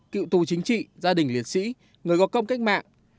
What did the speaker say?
cựu tù chính trị gia đình liệt sĩ người có công cách mạng